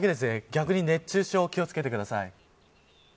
逆に熱中症気を付けてください。